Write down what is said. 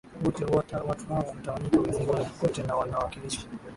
wote watu hawa wametawanyika ulimwenguni kote na wanawakilisha